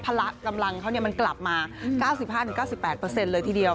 ละกำลังเขามันกลับมา๙๕๙๘เลยทีเดียว